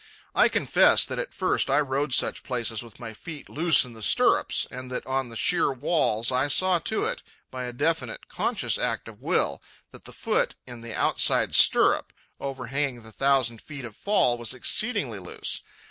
I confess that at first I rode such places with my feet loose in the stirrups, and that on the sheer walls I saw to it, by a definite, conscious act of will, that the foot in the outside stirrup, overhanging the thousand feet of fall, was exceedingly loose.